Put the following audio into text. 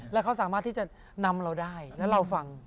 แล้วเขาสามารถที่จะนำเราได้แล้วเราฟัง